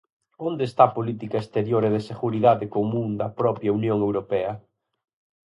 ¿Onde está a política exterior e de seguridade común da propia Unión Europea?